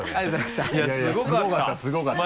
いやいやすごかったすごかった。